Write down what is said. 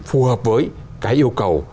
phù hợp với cái yêu cầu